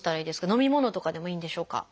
飲み物とかでもいいんでしょうか？